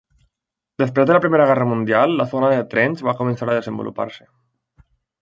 Després de la Primera Guerra Mundial la zona de Trench va començar a desenvolupar-se.